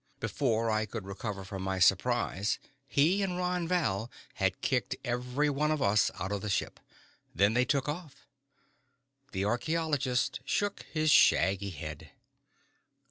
Before I could recover from my surprise, he and Ron Val had kicked every one of us out of the ship. Then they took off." The archeologist shook his shaggy head.